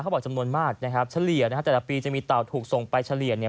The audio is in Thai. บอกจำนวนมากนะครับเฉลี่ยนะฮะแต่ละปีจะมีเต่าถูกส่งไปเฉลี่ยเนี่ย